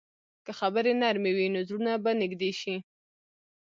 که خبرې نرمې وي، نو زړونه به نږدې شي.